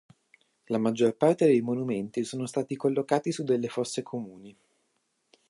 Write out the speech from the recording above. La maggior parte dei monumenti sono stati collocati su delle fosse comuni.